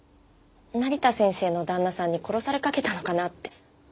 成田先生の旦那さんに殺されかけたのかなって。